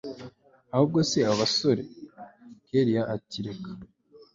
ahubwo se babasore kellia ati reka